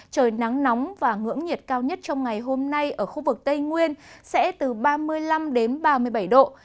trời nắng nóng và ngưỡng nhiệt cao nhất trong ngày hôm nay ở khu vực tây nguyên sẽ từ ba mươi năm đến ba mươi bảy độ